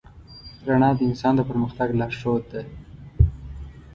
رڼا د انسان د پرمختګ لارښود ده.